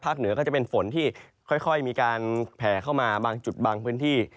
เหนือก็จะเป็นฝนที่ค่อยมีการแผ่เข้ามาบางจุดบางพื้นที่